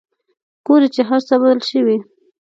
ګوري چې هرڅه بدل شوي.